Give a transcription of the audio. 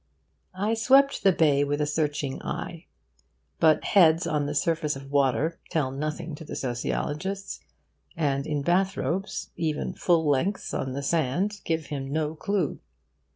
I swept the bay with a searching eye; but heads on the surface of water tell nothing to the sociologist, and in bath robes even full lengths on the sand give him no clue.